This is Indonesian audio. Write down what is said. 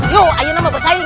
yuk ayo nanti bersaing